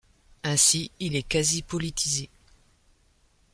Ainsi, il est quasi-politisé.